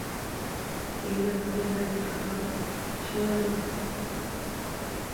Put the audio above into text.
宁德核电站实现中国首台自主开发的百万千瓦级核电站全范围模拟机的投用。